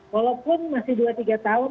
walaupun masih dua tiga tahun